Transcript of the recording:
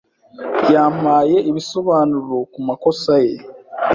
Yampaye ibisobanuro ku makosa ye.